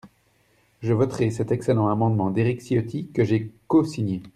Je voterai cet excellent amendement d’Éric Ciotti, que j’ai cosigné.